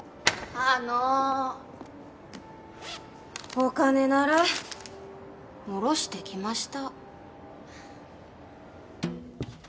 あのお金なら下ろしてきました